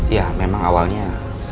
ya memang awalnya